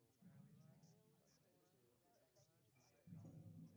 The palace was built in the center of the fortified area.